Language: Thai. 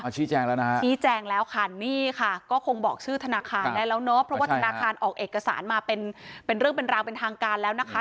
เพราะว่าธนาคารออกเอกสารมาเป็นเรื่องเป็นราวเป็นทางการแล้วนะคะ